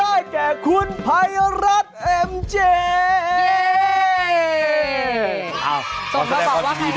ได้แก่คุณภัยรัฐเอ็มเจ